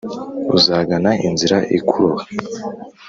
uzagana inzira ikuroha